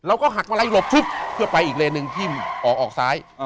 เราก็หักมาลัยหลบชุบเพื่อไปอีกเลนึงที่ออกออกซ้าย